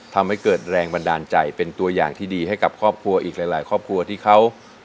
ทำให้เกิดแรงบันดาลใจเป็นตัวอย่างที่ดีให้กับครอบครัวอีกหลายครอบครัวที่เขา